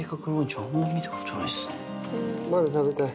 まだ食べたい？